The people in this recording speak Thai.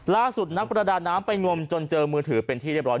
นักประดาน้ำไปงมจนเจอมือถือเป็นที่เรียบร้อ